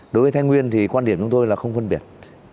đối với thái nguyên thì quan điểm của tôi là không phân biệt